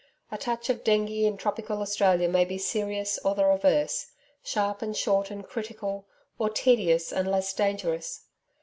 A touch of dengue in tropical Australia may be serious or the reverse sharp and short and critical, or tedious and less dangerous.